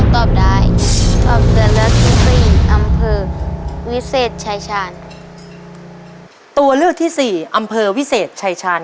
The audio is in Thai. ตัวเลือกที่สี่อำเภอวิเศษชายชาน